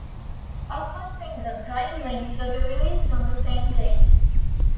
A first single, "Growing Wings", will be released on the same date.